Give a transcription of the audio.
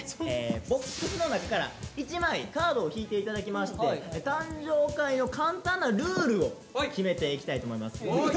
ボックスの中から１枚カードを引いて頂きまして誕生会の簡単なルールを決めていきたいと思います。